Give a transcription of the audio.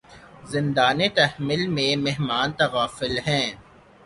زندانِ تحمل میں مہمانِ تغافل ہیں